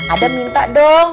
adam minta dong